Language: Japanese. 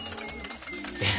え？